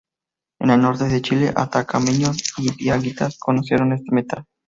En el Norte de Chile, atacameños y diaguitas conocieron este metal.